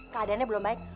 keadaannya belum baik